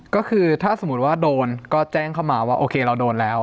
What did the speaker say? ก็คือถ้าสมมุติว่าโดนก็แจ้งเข้ามาว่าโอเคเราโดนแล้ว